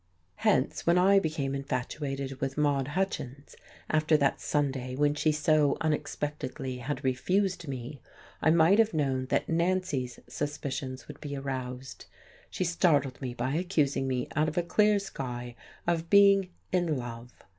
Hence, when I became infatuated with Maude Hutchins, after that Sunday when she so unexpectedly had refused me, I might have known that Nancy's suspicions would be aroused. She startled me by accusing me, out of a clear sky, of being in love.